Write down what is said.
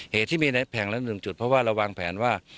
เหตุที่มีในแผงละ๑จุดเพราะว่าเราวางแผนว่า